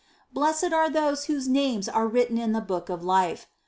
Blessed are those whose names are written in the book of life.''